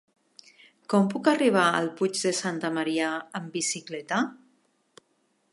Com puc arribar al Puig de Santa Maria amb bicicleta?